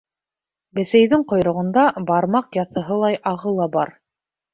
Бесәйҙең ҡойроғонда бармаҡ яҫыһылай ағы ла бар.